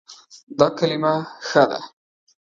دا کلمه ښه ده